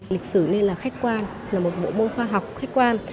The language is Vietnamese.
lịch sử nên là khách quan là một bộ môn khoa học khách quan